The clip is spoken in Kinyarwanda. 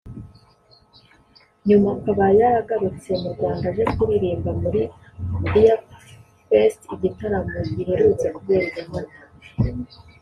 nyuma akaba yaragarutse mu Rwanda aje kuririmba muri Beer Fest igitaramo giherutse kubera i Nyamata